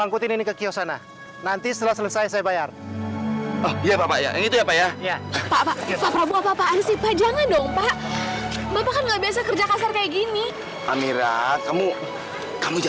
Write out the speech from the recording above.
aku sedih banget man